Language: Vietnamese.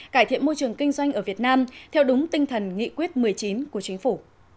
cải thiện môi trường kinh doanh ở việt nam theo đúng tinh thần nghị quyết một mươi chín của chính phủ